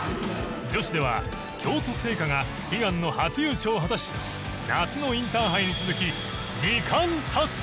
女子では京都精華が悲願の初優勝を果たし夏のインターハイに続き２冠達成！